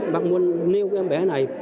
bắc muốn nêu em bé này